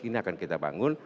ini akan kita bangun